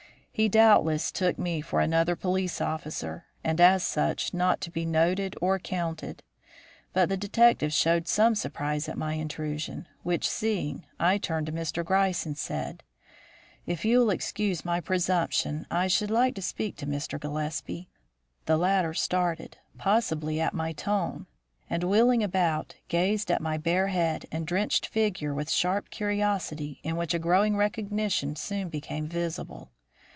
He doubtless took me for another police officer, and as such not to be noted or counted. But the detectives showed some surprise at my intrusion, which seeing, I turned to Mr. Gryce and said: "If you will excuse my presumption I should like to speak to Mr. Gillespie." The latter started, possibly at my tone, and, wheeling about, gazed at my bare head and drenched figure with sharp curiosity in which a growing recognition soon became visible.